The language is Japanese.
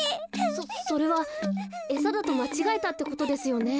そそれはえさだとまちがえたってことですよね。